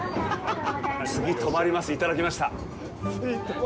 “次、停まります”いただきました！